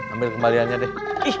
ambil kembaliannya deh